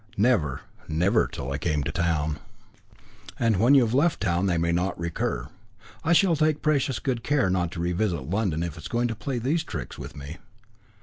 "Never, never, till I came to town." "And when you have left town they may not recur." "I shall take precious good care not to revisit London if it is going to play these tricks with me."